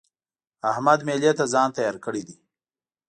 احمد مېلې ته ځان تيار کړی دی.